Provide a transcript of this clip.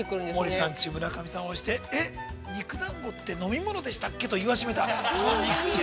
◆森三中の村上さんをして、肉だんごって、飲み物でしたっけと言わしめた。